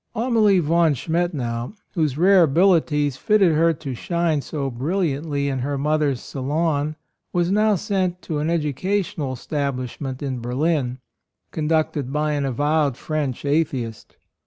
Amalie von Schtnettau, whose rare abilities fitted her to shine so brilliantly in her mother's salon was now sent to an edu cational establishment in Berlin, conducted by an avowed French atheist.